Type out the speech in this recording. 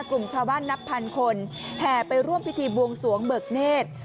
กลุ่มชาวบ้านนับพันคนแห่ไปร่วมพิธีบวงสวงเบิกเนธ